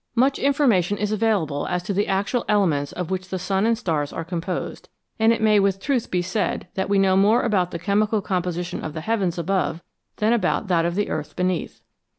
Much in formation is available as to the actual elements of which the sun and stars are composed, and it may with truth be said that we know more about the chemical composi tion of the heavens above than about that of the earth beneath.